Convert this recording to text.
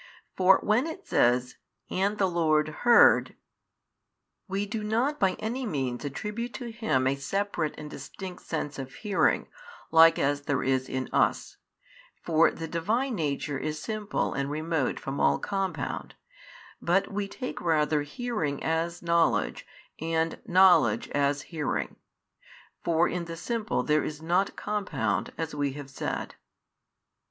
For when it says And the Lord heard, we do not by any means attribute to Him a separate and distinct sense of hearing, like as there is in us, for the Divine Nature is simple and remote from all compound, but we take rather hearing as knowledge and knowledge as hearing; for in the simple there is nought compound as we have said.